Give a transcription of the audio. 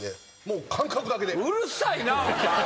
うるさいなお前。